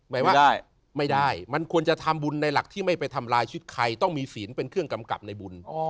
ไม่ได้ไม่ได้มันควรจะทำบุญในหลักที่ไม่ไปทำลายชุดใครต้องมีศีลเป็นเครื่องกำกับในบุญ